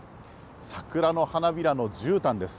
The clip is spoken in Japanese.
桜の花びらのじゅうたんです。